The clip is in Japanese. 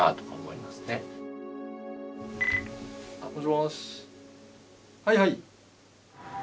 はいはい。